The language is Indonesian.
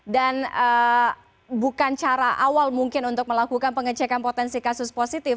dan bukan cara awal mungkin untuk melakukan pengecekan potensi kasus positif